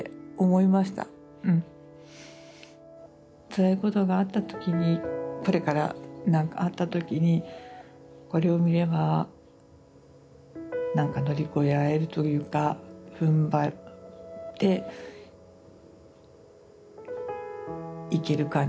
つらいことがあった時にこれからあった時にこれを見れば何か乗り越えられるというかふんばっていけるかなっていう大きな糧になりましたね。